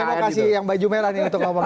terima kasih yang baju merah untuk ngomong